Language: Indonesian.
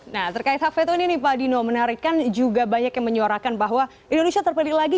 nah terkait hak fitur ini pak dino menarikkan juga banyak yang menyuarakan bahwa indonesia terpelik lagi